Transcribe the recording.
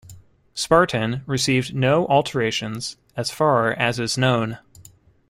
"Spartan" received no alterations as far as is known.